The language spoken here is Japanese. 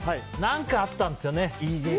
何かあったんですよね。